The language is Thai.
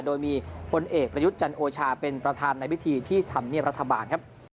โดยมีพลเอกประยุทธ์จันโอชาเป็นประธานในพิธีที่ธรรมเนียบรัฐบาลครับ